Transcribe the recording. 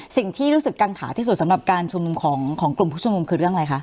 สิ่งที่รู้สึกกังขาที่สุดสำหรับการชุมนุมของกลุ่มผู้ชุมนุมคือเรื่องอะไรคะ